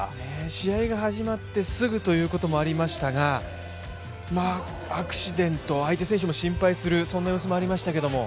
試合が始まってすぐということもありましたが、アクシデント、相手選手も心配する様子がありましたが。